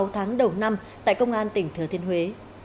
sáu tháng đầu năm tại công an tỉnh thừa thiên huế